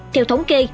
theo thống kê